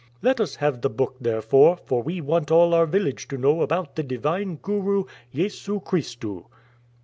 Let us have the book therefore, for we want all our village to know about the Divine Guru, Yesu Kristu."